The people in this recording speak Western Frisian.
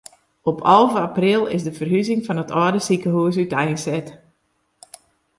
Op alve april is de ferhuzing fan it âlde sikehûs úteinset.